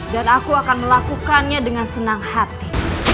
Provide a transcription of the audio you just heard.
dan aku akan melakukannya dengan senang hati